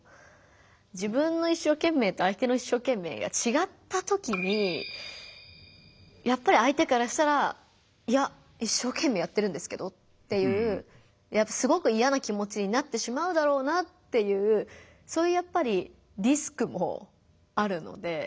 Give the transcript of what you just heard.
自分の一生懸命と相手の一生懸命がちがったときにやっぱり相手からしたら「いや一生懸命やってるんですけど」っていうすごく嫌な気持ちになってしまうだろうなっていうそういうやっぱりリスクもあるので。